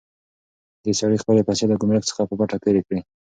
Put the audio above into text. دې سړي خپلې پیسې له ګمرک څخه په پټه تېرې کړې.